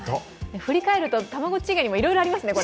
振り返ると、たまごっち以外にもいろいろありますね。